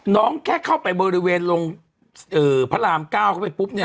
น้องแค่เข้าไปบริเวณลงพระราม๙ก็ไปปุ๊บนี่